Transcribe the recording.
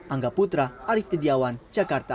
angga putra arief tidiawan jakarta